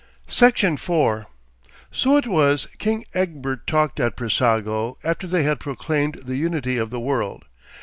Section 4 So it was King Egbert talked at Brissago after they had proclaimed the unity of the world.